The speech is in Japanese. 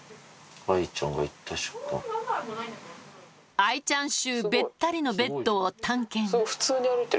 愛ちゃん臭べったりのベッドを探検すごい